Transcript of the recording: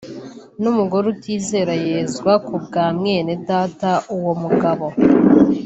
n’umugore utizera yezwa kubwa mwene Data uwo (umugabo)